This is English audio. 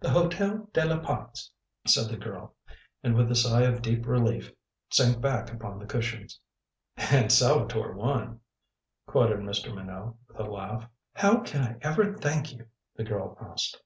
"The Hotel de la Pax," said the girl, and with a sigh of deep relief, sank back upon the cushions. "And Salvator won," quoted Mr. Minot with a laugh. "How can I ever thank you?" the girl asked.